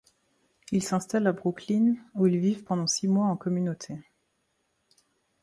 Ils s'installent à Brooklyn où ils vivent pendant six mois en communauté.